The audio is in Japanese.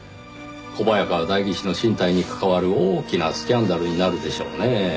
小早川代議士の進退に関わる大きなスキャンダルになるでしょうねぇ。